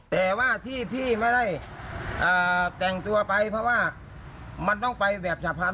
แต่ว่าที่พี่ไม่ได้แต่งตัวไปเพราะว่ามันต้องไปแบบฉะพันธ